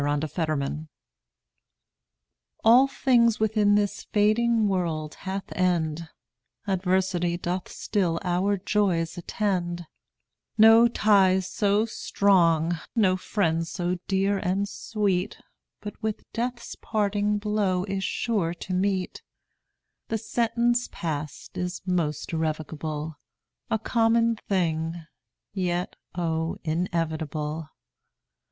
2 Autoplay All things within this fading world hath end, Adversity doth still our joys attend; No ties so strong, no friends so dear and sweet, But with death's parting blow are sure to meet. The sentence past is most irrevocable, A common thing, yet oh, inevitable.